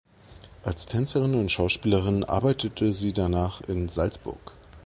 Als Tänzerin und Schauspielerin arbeitete sie danach in Salzburg.